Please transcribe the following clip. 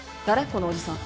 このおじさん。